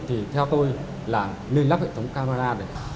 thì theo tôi là nên lắp hệ thống camera